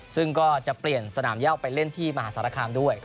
ซึ่งก็จะเปลี่ยนสนามย่าไปเล่นที่มหาสารคามด้วย